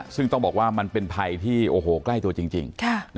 ซึ่งต้องบอกว่ามันเป็นภัยที่โอ้โหใกล้ตัวจริง